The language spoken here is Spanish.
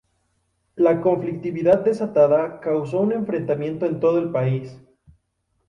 La conflictividad desatada causó un enfrentamiento en todo el país.